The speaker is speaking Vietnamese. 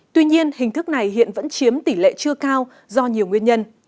tuy nhiên hình thức này hiện vẫn chiếm tỷ lệ chưa cao do nhiều nguyên nhân